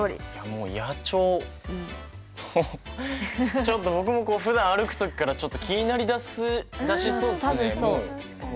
もう野鳥ちょっと僕もこうふだん歩く時からちょっと気になりだしそうですね。